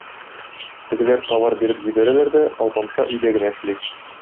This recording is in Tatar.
Тегеләр товар биреп җибәрәләр дә, Алпамша өйдә генә эшли.